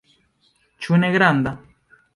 Ĉu ne granda?